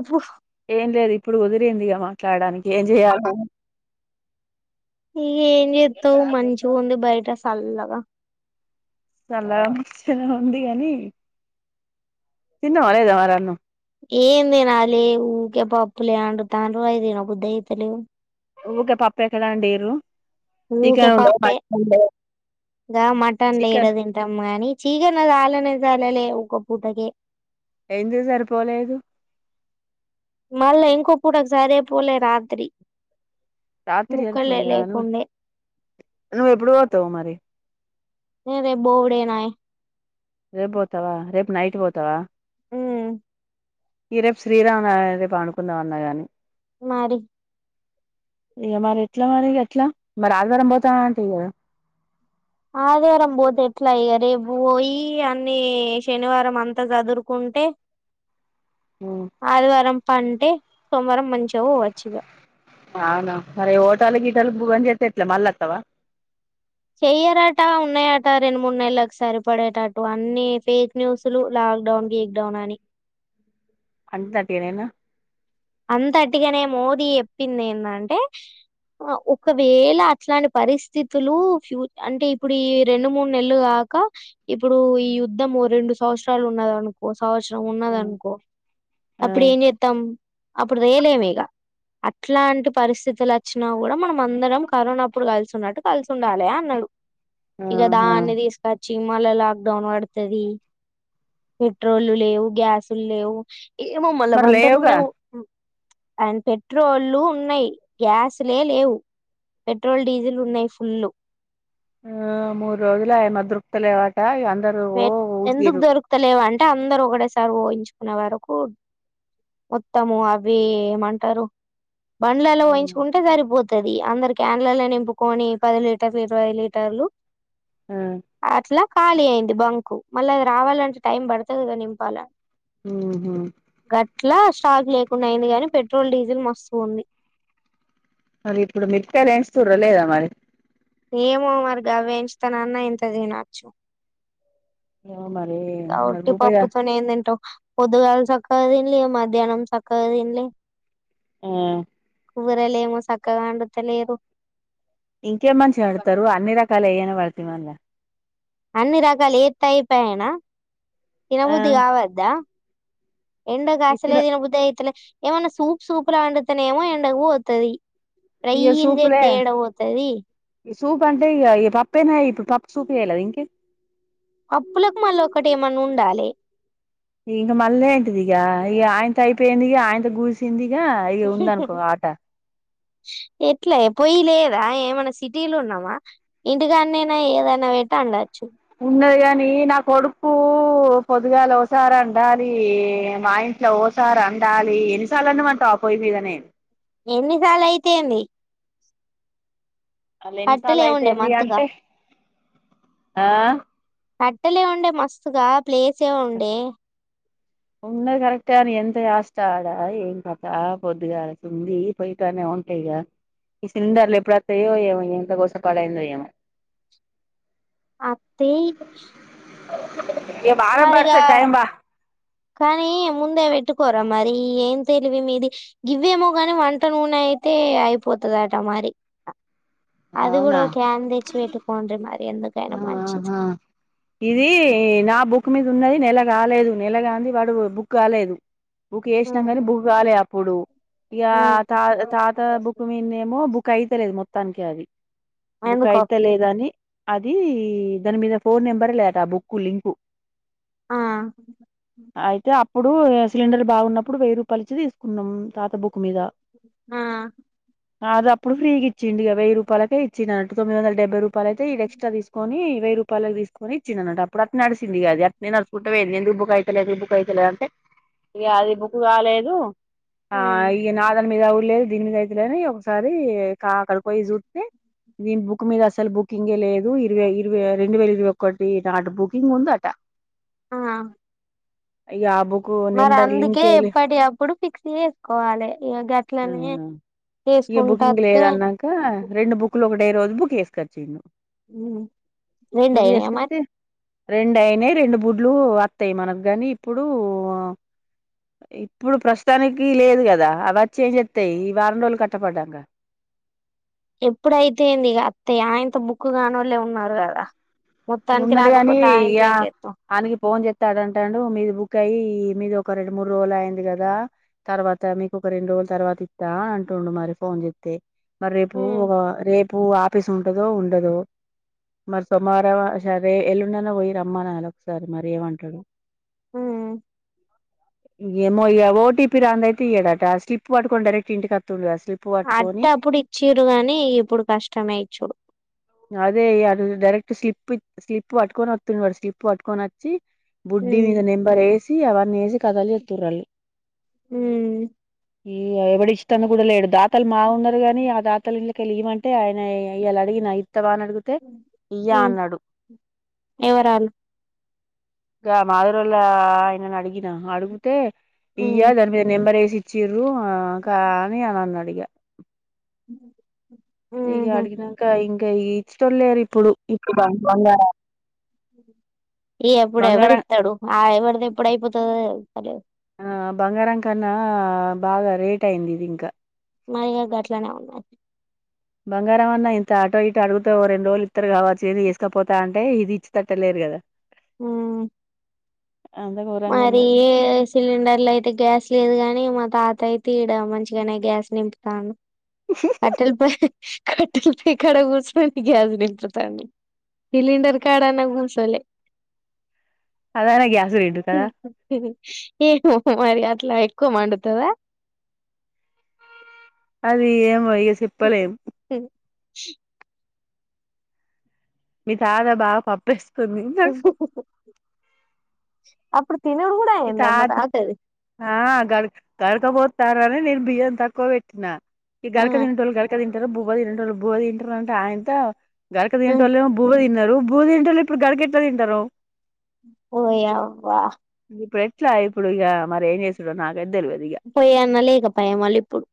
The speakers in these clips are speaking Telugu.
అబ్బో ఏమ్ లేదు ఇప్పు ఇప్పుడు కుదిరిందిగా మాట్లాడడానికి ఏం చెయాలి మనం ఏం చేత్తావు మంచి గా వుండు బయట చల్లాగా చల వచ్చిన ఉంది కాని తిన్నావ లేదారా అన్నం ఏం తినాలేవు ఊకే పప్పులే వండు తాండరు అవి తినబుద్ది అయితలేవు ఊకే పప్పే ఎక్కద వండిరు ఊరికే పప్పే గా మటన్ లేడ చికెన్ తింటాము అనీ చికెన్ వాల్లనే జాలలే ఒక్కపూటకే ఎందుకు సరిపోలేదు మళ్ళా ఇంకో పూటకి సరేపోలే రాత్రి రాత్రి అర్ ముక్కలే పోలే [unintelligible] ను లేకుండే ను ఎప్పుడు పొతావు మరి నిను రేపు బోవుడే నే రేపు పోతావా రేపు నైట్ పోతావా ఉమ్ ఈ రేపు శ్రీరాంనవమి రేపు అండుకుందాం అన్నా గాని మరి ఇక మరి ఎట్లా మరి ఇ ఎట్లా మరి ఆదివారం పోతానంటివి కదా ఆదివారం పోతే ఎట్లా ఇగ రేపు పోయి అన్ని శనివారం అంతా సదురుకుంటే ఆదివారం పంటె సోమవారం మంచిగా పో వచ్చు ఇగ అవునా అరే ఓటాలు గ ఇటాలు బగజ అస్త ఎట్లే మళ్ళ అత్తవా చెయ్యరట ఉన్నాయట రెండు మూడు నెలలకు సరిపడేటటు అన్ని ఫేక్ న్యూస్లు లాక్డౌన్ గేక్ డౌన్ అని అంత [unintelligible] అంత అట్టిగానే మోదీ చెప్పింది ఏందంటే ఒకవేళ అట్లాంటి పరిస్థితులు ఫ్యూ అంటే ఇప్పుడు ఈ రెండు మూడు నెలలు కాక ఇప్పుడు ఈ యుద్ధం రెండు సంవత్సరాలు ఉన్నదనుకో అవసరం ఉన్నదనుకో ఆ అప్పుడ ఏం చెత్తమ్ అప్పుడు తెలేము ఇక అట్లాంటి పరిస్థితులు వచ్చినా కూడా మనం అందరం కరోనాప్పుడు కలిసి ఉన్నట్టు కలిసి ఉండాలి అన్నాడు ఇక ఆహా దాన్ని తీసుకొచ్చి మళ్ళ లా డౌన్ పడుతది పెట్రోల్ లేవు గ్యాసులు లేవు ఏమో మళ్ల మరి వంట లేవుగా నూనె అడ్ పెట్రోలు ఉన్నాయి గ్యాస్లే లేవు పెట్రోల్ డీజిల్ ఉన్నాయి ఫుల్లు ఆ మురు రోజులు ఆయ దొరుక్తలెవట ఎందుకు దొరుకుతలేవ అంటే అందరూ ఒకడే కారు వోయించుకునే వరకు మొత్తము అవి ఏమంటారు బండ్లలో పోయించుకుంటే సరి పోద్ది తది అందరు క్యాన్లల నింపుకొని పది లీటర్లు ఇరవై లీటర్లు ఆ ఆట్లా ఖాళీ అయింది బంకు మళ్ళీ అది రావాలంటే టైం పడుతది కదా నింపాల మ్ హ అట్లా స్టాక్ లేకుండా అయింది కానీ పెట్రోల్ డీజిల్ మస్తు ఉంది మరి ఇప్పుడు వేయిస్తున్నారలేదా మరి ఏమో మరిగా వేయించతానన్న ఇంత తినొచ్చు ఏమో మరి మరి ఉట్టి భూపయ్య పప్పుతోని ఏం తింటావ్ పొద్దుగాల సక్కగా తినలే మధ్యానం సక్కగా తినలే ఆ కూరలేమో సక్కగాండతలేదు ఇంకేం మంచిగా వండుతారు అన్ని రకాల యయ్యని వాళ్లు మా [inaudible] అన్ని రకాలు ఏస్తే అయిపాయనా ఆ తినబుద్ది కావద్దా ఎండగకాస్తలే ఇచ్చిన తిన బుద్ది అయితలే ఏమన్నా సూప్ సూప్ లా వండుతనేమో ఎండగ పోతది. ఇక సూపులే రయ్యింజెత్తే ఏడకబోతది. ఈ సూప్ అంటే ఇగా ఈ పప్పేనా ఇప్పుడు పప్పు సూప్ యెయలేదు ఇంకేం. అప్పులకు మల్లోకటేమన్నుండలే. ఇగమల్లేంటిదిగా ఇగ ఆయనతో ఐపోయిందిగా అందిగుడిసింది. యా ఇగవుందనుకో ఆటా. ఎట్లాఏ పోయీ లేదా ఏమైనా సిటీలు ఉన్నామా ఇంటికాన్నైనా ఏదైనా పెట్టా వాండ్. ఉన్నది గాని నా కొడుకూ. పొదుగాల ఓసారి అండాలి మా ఇంట్లో ఓసారి అండాలి ఎన్నిసార్లు వొండమంటావ్ పోయిమీదనే. ఎన్ని. అలేనిసర్లైతే ఉండే ఏందీ మత్తుగా అంటే ఆ. టెల్లిగాఉండే మస్తుగా. ప్లేస్ ఏవ ఉండే. ఉన్నది కరెక్టే అని ఎంత చేస్తా ఆడా ఏం కదా పొద్దుగాలకుంది పోయిటనే ఉంటాయ్ గా ఈ సిలిండర్లు ఎప్పుడత్తాయో ఏమో ఎంత కోస పడైందో ఏమో. అతీ. అవు ఏ బారంపడతత్ టైమ్ బా. కానీ ముందే వెట్టుకోరా మరీ ఏం తెలివి మీది గివ్వేమో గాని. అది గూడ అవునా ఓ కాన్దేచ్పెట్కొండి మరి. మంచిది ఆహా ఇది నా బుక్ మీద ఉన్నది నెల రాలేదు. దూ నెలగాంది వాడు బుక్ కాలేదు. బుక్చేషణంగాని ఆహా బుక్ గాలే. ప్పుడు. ఇగా తా తాత బుక్ మీనేమో బుక్. కైతలేదు మొత్తానికి అది. ఎందుకో బుకైతలేదని. అధీ దాన్మీదా ఫోన్ నెంబర్ లేటా బుకు లింకు. ఆ అయితే ప్పుడు చెంద్రబాబున్నపుడు వెయ్యి రూపాయలిచ్చి ధీసుకున్నాం తాత బుక్కు మీద. ఆ. నాదప్పుడు ఫ్రేగిచిండుగద వెయ్యరుపయలకే ఇచ్చినాట్ తొమ్మిదొందల డెబ్బై రూపాయలైతే. తా దీస్కొని. వెయ్యిూరూపాయలక్ దీస్కొని ఇచ్చినానంట అప్పుడు అట్నే నడిసిందిగా అట్నే నడుపుకుంటాఇగ ఎందుకు బుక్ బుకైతలేదు బుకైతలేదు అంటే ఇక అది బుక్ కాలేదు. ఆ ఉమ్, ఇ నాదల మీద. లేదు దీని మీద అయితలేదని ఒకసారి కా అక్కడ పోయి సూత్తే దీని బుక్ మీద అసలు బుకింగే లేదు. రెండు ఇరవై ఇరవై రెండు వేల ఇరవై ఒకటి నాటి బుకింగ్ ఉందట. ఆ అయ్యా ఆ బుక్ మరి నెంబర్ అందుకే లింకే లే ఎప్పటియి అప్పుడు ఫిక్స్ చేసుకోవాలె. ఇగ ఆ గట్లనే ఇగ చేసుకుంట బుకింగ్ అత్తే చేసుకచ్చిండు. హుహ్ రెండయినయా మరి. రెండు అయినయి రెండు బుడ్లు వత్తయి మనకు గాని. ఇప్పుడు ఇప్పుడు ప్రస్తుతానికి లేదు కదా అవచ్చి ఏం చెత్తయి ఈ వారం రోజులు కట్టపడ్డాంక. ఎప్పుడైతే ఎంది ఇగ అత్తయి. అయింత బుక్కు కానోళ్లే ఉన్నరు కదా. మొత్తానికి ఉన్నది కాని రాకపోతే ఇగ ఆయనతో ఏం చేత్తం ఆనికి ఫోన్ చెత్తే ఆడంటాడు మీది బుక్ అయ్యి మీది ఒక రెండు మూడు రోజులు అయింది కదా, తర్వాత మీకు ఒక రెండు రోజుల తర్వాత ఇత్తా అంటుండు మరి ఫోన్ చెత్తే. మరి రేపు ఉమ్ ఒక రేపు ఆపీస్ ఉంటదో ఉండదో మరి సోమవారం సరే ఎల్లుండి అన్నా పోయి రమ్మానాలే ఒకసారి మరి ఏమంటడు. ఉమ్ ఏమో ఇగా ఓటీపీ రాందైతే ఇయడట స్లిప్ పటుకొని డైరెక్ట్ ఇంటికి అత్తుండు కావచ్చు. అట్టప్పుడు ఇచ్చిర్రు గాని ఇప్పుడు కష్టమే ఇచ్చుడు. అదే అటు డైరెక్ట్ స్లిప్ స్లిప్ పటుకొని వత్తుండు వాడు స్లిప్ పట్టుకొని అచ్చి బుడ్డి ఉమ్ మీద నెంబర్ ఎసి అవన్నీ ఎసి కథలు చెత్తురు ఆళ్ళు. ఉమ్ ఇగ ఎవడు ఇష్టందుకు కూడా లేడు దాతలు మా ఉన్నరు కాని ఆ దాత అవతల ఇళ్లకెల్లి ఇయమంటే ఆయన ఇయలా అడిగిన ఇత్త ఇత్తవా అని అడిగితే ఇయ్యా అన్నడు. ఎవరాల్లు. గా మాధరోల్లా ఆయనను అడిగి నా అడుగుతే ఇయ్యా ఉమ్ దాని మీద నెంబర్ ఎసి ఇచ్చిర్రు. రు కానీ అని అన్నడు. ఇగా [inaudible] ఇగా ఉహు అడిగినంకా ఇం గా ఇచ్చేటోల్లు లేరు ఇప్పుడు. ఇప్పుడు బంగారం ఈ ఎప్పుడు ఎవడు బంగారం ఇత్తడు. ఆ ఎవరిది ఎప్పుడు అయిపోతదో [inaudible] అదే ఆ బంగారం కన్నా బాగా రేట్ అయింది ఇది ఇంకా. మరి ఇగ గట్లనే ఉన్నది. బంగారం అన్నా ఇంత ఆటో ఇటో అడుగుతే ఓ రెండు రోజులు ఇత్తరు కావచ్చు. ఇది ఎసుకపోతా అంటే ఇది ఇచ్చేతట్టులేరు కదా. హ్ అంత ఘోరంగా మరి ఉన్నది ఏ ఇగ సిలిండర్ల అయితే గ్యాస్ లేదు గాని మా తాత అయి తీడ మంచిగానే గ్యాస్ నింపుతాను అటల్ ప కట్టెల పొయ్యి కాడ కూర్చొని గ్యాస్ నింపుతాండు సిలిండర్ కాడన్నా కూసోలె అదనగ్య హు హుం టివి ఏమో మరి అట్లా ఎక్కువ మండుతదా అది ఏం యేసిప్పలేం చెి మీ తాత బాగ పప్పేస్ [unintelligible] అప్పుడు తినుడు కూడా ఇ అయిందా మా తాత్ తాతది ఆ గడు గడుక బో తారనే నేను బియ్యం తక్కువ పెట్టినా ఈ ఆ గడక తినేటోళ్ళు గడక తంటారు బువ్వ తినేటోళ్ళు బువ్వ తిన్ ట్ర్ అంటే ఆయనతో గడక తింటోళ్ళేమో బువ్వ తిన్నారు బువ్వ తినేటోళ్ళు ఇప్పుడు గడకెట్ల తింటారు ఓయ్ అవ్వ ఇప్పుడు ఎట్లా ఇప్పుడు ఇగ మరి ఏం చేస్తదో నాకు పోయి అన్న లేకపోయా మల్లి ఇప్పుడు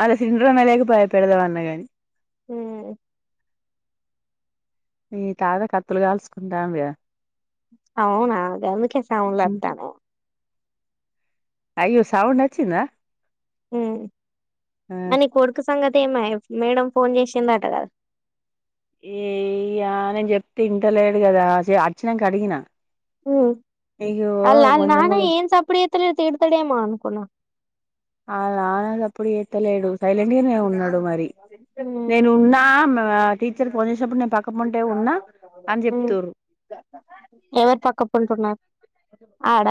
వాళ్ల సిండ్రు అన్న లేకపోయ పెడదామన్నా గాని హుమ్ మీ తాత కత్తులు కాల్సుకుంటాండుగా అవునా గవెట్లా టౌన్లత్తానేమో అయ్యో సౌండ్ వచ్చిందా హు ఆ మనీ కొడుకు సంగతేమాయె మేడం ఫోన్ చేసిందట కదా ఏ ఇయ నేను చెప్తే వింటలేడు కదా అచ్చినంక అడిగిన హు నీకు ఆళ్ల ఆళ్ల కొంచెం నాన్న కూడా ఏం సప్పుడు చేస్తలేడు తిడతాడేమా అనుకున్నా వాళ్ల నాన్న సప్పుడు చేతలేడు సైలెంట్ గానే ఉన్నడ్ డు మరి ఉమ్ నేను ఉన్నా మేం అ టీచర్ ఫోన్ చేసినప్పుడు నేను పక్క పొంటే ఉన్నా అని ఉమ్. చెప్తుర్రు ఎవరు పక్క పొంటి ఉన్న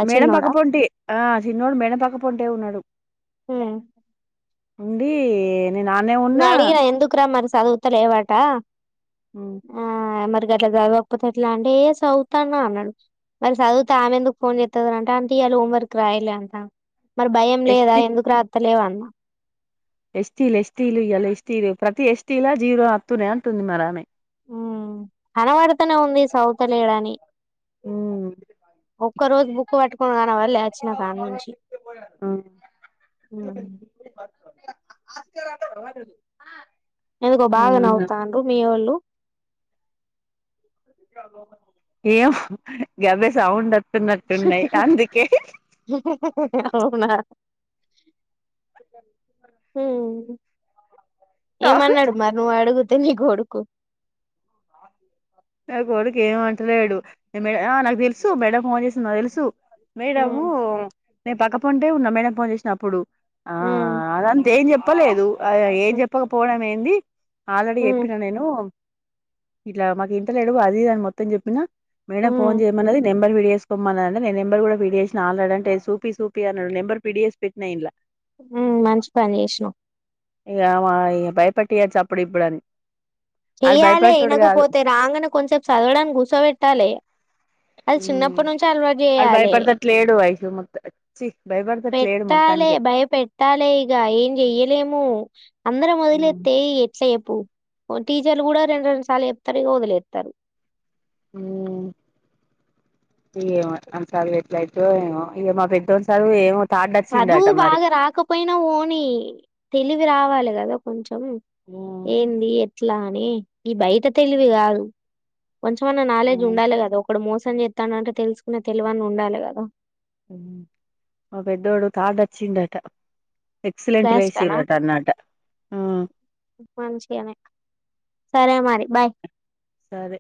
మేడం పక్కపొంటి ఆ చిన్నోడు మేడం పక్కపొంటే ఉన్నాడు ఉమ్. ఉండి నేను ఆన్నే నేన్ ఉన్నా అడిగా ఎందుకురా మరి స్కూ చదువుతలేవట ఆ అన్నారు గట్లా చదవకపోతే ఎట్లా అంటే ఏ చదువుతాన్నా అన్నాడు మరి చదువుతా ఆమె ఎందుకు ఫోన్ చేస్తది రా అంటే గాంకి ఇయాల హోంవర్క్ రాయలే అంట మరి భయం లేదా ఎస్టీ ఎందుకు రాతా లెవా అన్న ఎస్టీలు ఎస్టీలు ఇలా ఎస్టీలు ప్రతి ఎస్టీలా జీరో వత్తున్నాయి అంటుంది మరి ఆమె అలావరుతనే వదిలేసా సదువుతాలేడు అని ఊ ఒక్కరోజు బుక్కు పట్టుకోగా కనభలే వచ్చిన కాడి నుంచి ఆ ఎందో బాగా ఆహా నవ్వుతానర్లు మీ వొళ్ళు ఎమో గవే సౌండ్ చెప్పు వత్తున్నట్టున్నయి అందుకే చెప్పు హహహ్హా అవునా హ్మ్మ్ ఏమన్నాడు మరి నువ్వు అడుగు పెళ్ళికొడుకు నా కోడుకు ఏమి అంటలేడు ఆ నాకు తెలుసు మేడం ఫోన్ చేసింది నాకు తెలుసు ఉమ్ మేడము నేను పక్కపంటే ఉన్నా మేడం ఫోన్ చేసినప్పుడు ఆ ఉమ్ అదంతా ఏం చెప్పలేదు ఏం చెప్పకపోవడంమే ఏంది ఆల్రెడీ ఉమ్ చెప్పిన నేను ఇట్లా మాకు ఇంటి లేదు అది అని మొత్తం చెప్పినా మేడం ఉమ్ ఫోన్ చేయమన్నది నెంబ్ నెంబర్ ఫీడ్ చేసుకోమన్నాడు ఆ నేను నెంబర్ కూడా ఫీడ్ చేసినా ఆల్రెడీ అంటే ఆ సూపీ సూపీ అన్నాడు నెంబర్ ఫీడ్ చేసి పెట్టినా ఈడ్ల మంచి పని చేశిన్నావు ఇగ ఇగ బయపెట్టియొచ్చు అప్పుడు ఇప్పుడు అని ఆడు చేయా భయపడేటోడు కాదు వినకపోతే రాంగనే కొంసేపు చదవడానికి కూర్చోపెట్టాలె అది చిన్నప్పటి నుంచి అలవాటు ఆడు చేయాలి భయపడతట్లేడు ఐషు మొత్తం చి భయపడతట్లేడు మొత్తానికి పెట్టాలి భయపట్టాలి ఇగ ఏం చెయ్యలేము ఆంద్ర మొదలే మ్మ్ తే ఎట్లా ఎప్పు [unintelligible] పు టీచర్లు కూడా రెండు రెండు సార్లు చెప్తారు ఇగా వదిలేత్తరు మ్ ఏమో వాని సదువు ఎట్ల అయితదో ఏమో ఇగా మా పెద్దోని సదువు ఏమ చదువు బాగా రాకపోయినా వోని తెలి వి రావాలి కదా కొంచెం ఉ ఉమ్ ఏంది ఎ అట్ల అని ఈ బయట తెలివి కాదు కొంచంమన్నా నాలెడ్జ్ ఉండాలి కదా ఒక్కడు మోస చేత్తాండు అంటే తెలుసుకునే తెలివి అన్న ఉండాలి కదా మా పెద్దోడు థర్డ్ వచ్చిండట ఎక్సిలెంట్ లా వేస్ట్ అనా వేసింలట అన్నాట మంచిగానే సరే మరి బాయ్ సరే